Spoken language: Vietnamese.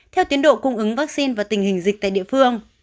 theo tiến độ cung ứng vắc xin và tình hình dịch tại địa phương